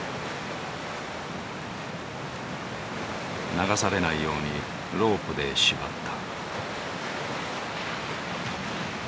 流されないようにロープで縛った。